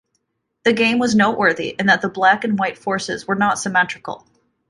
The game was noteworthy in that the black and white forces were not symmetrical.